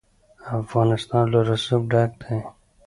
افغانستان له رسوب ډک دی.